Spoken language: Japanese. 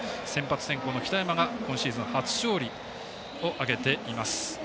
先発の北山が今シーズン初勝利を挙げています。